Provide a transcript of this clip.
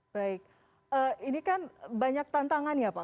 baik ini kan banyak tantangan ya pak